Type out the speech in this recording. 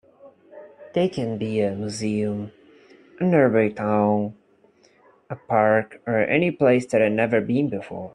They can be a museum, a nearby town, a park, or any place that I have never been before.